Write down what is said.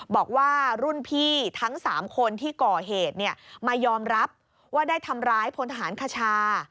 บอกว่ารุ่นพี่ทั้ง๓คนที่ก่อเหตุมายอมรับว่าได้ทำร้ายพลทหารคชา